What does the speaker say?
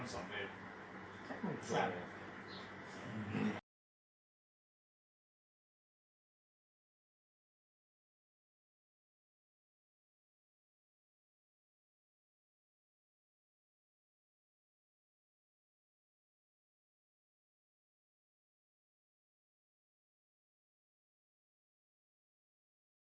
จะถ่ายมาก่อนเรื่องมันสำเร็จ